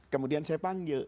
kemudian saya panggil